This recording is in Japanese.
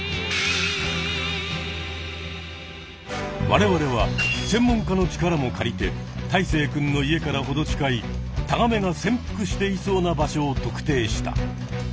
我々は専門家の力も借りて太晴君の家からほど近いタガメが潜伏していそうな場所を特定した。